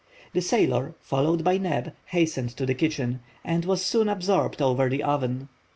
The sailor, followed by Neb, hastened to the kitchen, and was soon absorbed over the oven.